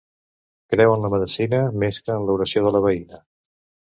Creu en la medecina més que en l'oració de la veïna.